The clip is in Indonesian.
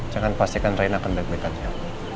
jangan pastikan reina akan berbekannya